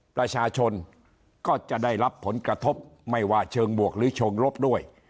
ประชาชนก็จะได้รับผลกระทบไม่ว่าเชิงบวกหรือเชิงลบด้วย